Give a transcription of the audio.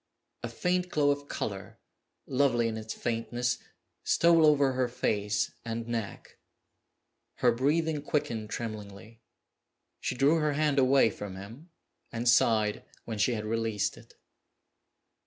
A faint glow of color, lovely in its faintness, stole over her face and neck. Her breathing quickened tremblingly. She drew her hand away from him, and sighed when she had released it.